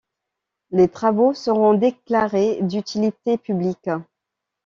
Les travaux seront déclarés d'utilité publique.